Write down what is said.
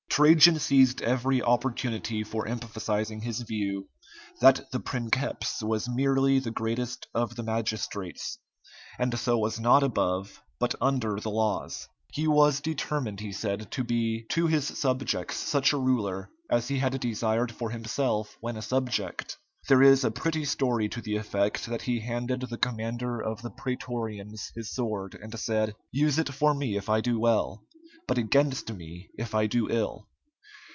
Trajan seized every opportunity for emphasizing his view that the princeps was merely the greatest of the magistrates, and so was not above but under the laws. He was determined, he said, to be to his subjects such a ruler as he had desired for himself when a subject. There is a pretty story to the effect that he handed the commander of the prætorians his sword, and said, "Use it for me if I do well, but against me if I do ill."